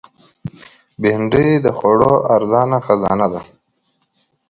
بېنډۍ د خوړو ارزانه خزانه ده